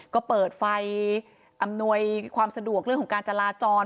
ก็เปิดไฟอำนวยความสะดวกเรื่องของการจราจร